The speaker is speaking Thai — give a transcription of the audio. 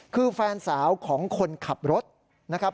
คือแฟนสาวของคนขับรถนะครับ